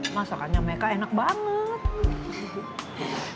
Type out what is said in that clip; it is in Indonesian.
masakannya meka enak banget